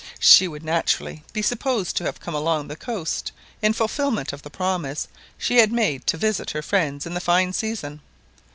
She would naturally be supposed to have come along the coast, in fulfilment of the promise she had made to visit her friends in the fine season.